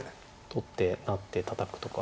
取って成ってたたくとか。